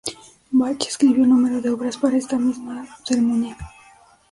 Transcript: Bach escribió un número de obras para esta misma ceremonia.